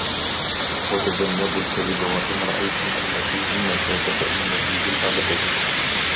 وَتَجَنَّبُوا الْكَذِبَ وَإِنْ رَأَيْتُمْ أَنَّ فِيهِ النَّجَاةَ فَإِنَّ فِيهِ الْهَلَكَةَ